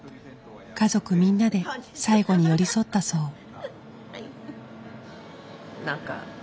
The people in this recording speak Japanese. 家族みんなで最期に寄り添ったそう。